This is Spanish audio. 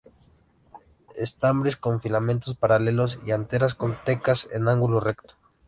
Estambres con filamentos paralelos y anteras con tecas en ángulo recto.